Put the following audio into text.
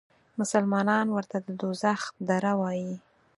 مسلمانان ورته د دوزخ دره وایي.